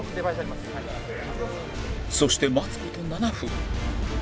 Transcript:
そして待つ事７分